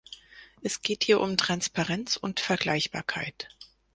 Es geht hier um Transparenz und Vergleichbarkeit.